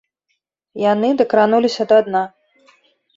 Яны дакрануліся да дна.